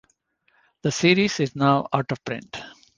The series is now out-of-print.